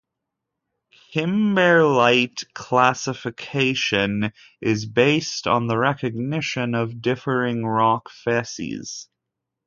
Kimberlite classification is based on the recognition of differing rock facies.